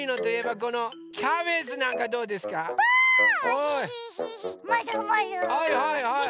はいはいはいはい。